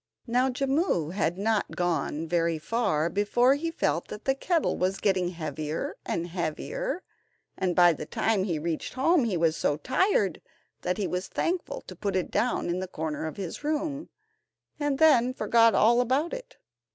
Now Jimmu had not gone very far before he felt that the kettle was getting heavier and heavier, and by the time he reached home he was so tired that he was thankful to put it down in the corner of his room, and then forgot all about it.